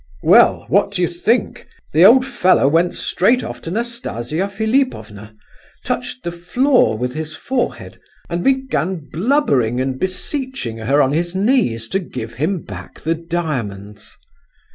"Well, what do you think? The old fellow went straight off to Nastasia Philipovna, touched the floor with his forehead, and began blubbering and beseeching her on his knees to give him back the diamonds.